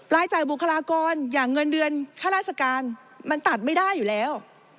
รายจ่ายบุคลากรอย่างเงินเดือนค่าราชการมันตัดไม่ได้อยู่แล้ว